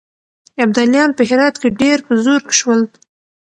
ابدالیان په هرات کې ډېر په زور کې شول.